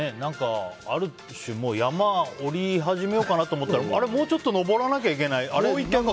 ある種、山を下り始めようかなと思ったらあれ、もうちょっと登らなきゃいけないみたいな。